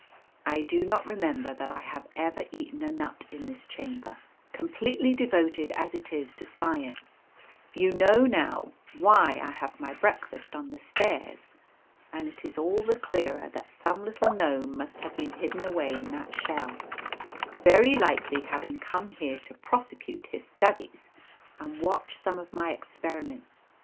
I do not remember that I have ever eaten a nut in this chamber, completely devoted as it is to science (you know now why I have my breakfast on the stairs), and it is all the clearer that some little gnome must have been hidden away in that shell, very likely having come here to prosecute his studies, and watch some of my experiments.